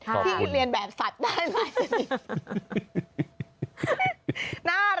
ที่เรียนแบบสัตว์ได้มากกว่านี้